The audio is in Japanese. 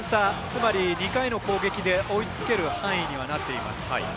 つまり２回の攻撃で追いつける範囲にはなっています。